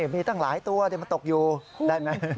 มีตั้งหลายตัวมันตกอยู่ได้ไหม